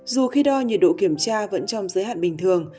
dù khi đo nhiệt độ kiểm tra vẫn trong giới hạn bình thường